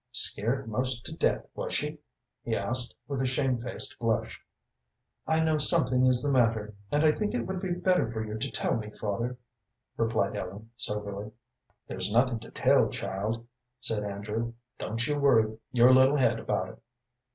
"Scared most to death, was she?" he asked, with a shamefaced blush. "I know something is the matter, and I think it would be better for you to tell me, father," replied Ellen, soberly. "There's nothing to tell, child," said Andrew. "Don't you worry your little head about it."